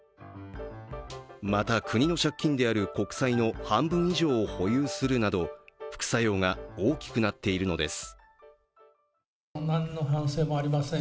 また、国の借金である国債の半分以上を保有するなど副作用が大きくなっているのです。